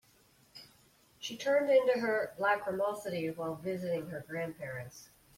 She turned into her lachrymosity while visiting her grandparents.